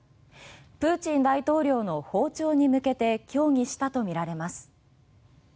プーチン大統領の訪朝に向けて協議したとみられます。